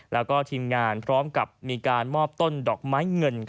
แล้วก็ทีมงานพร้อมกับมีการมอบต้นดอกไม้เงิน